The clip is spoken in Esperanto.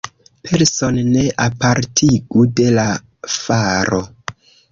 Penson ne apartigu de la faro.